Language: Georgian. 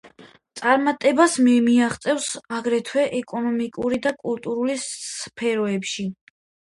წარმატებას მიაღწიეს, აგრეთვე, ეკონომიკურ და კულტურულ სფეროებში.